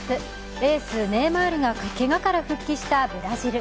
エース・ネイマールがけがから復帰したブラジル。